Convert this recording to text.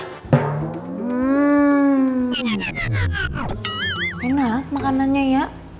hmm enak makanannya ya